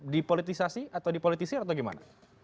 dipolitisasi atau dipolitisir atau gimana